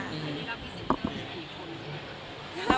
วันนี้รับที่สิบเดือนมั้ยอีกคน